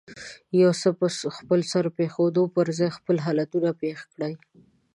د يو څه په خپلسر پېښېدو پر ځای خپل حالتونه پېښ کړي.